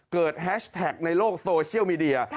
แฮชแท็กในโลกโซเชียลมีเดีย